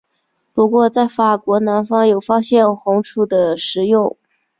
不过在法国南方有发现红赭的使用。